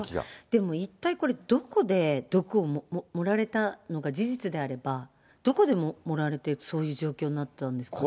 でも一体、これどこで毒を盛られたのが事実であれば、どこで盛られて、そういう状況になったんですかね？